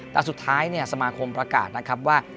แต่สุดท้ายสมาคมประกาศนะครับว่า